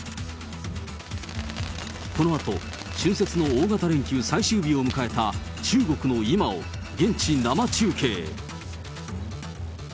このあと、春節の大型連休最終日を迎えた中国の今を、現地生中継。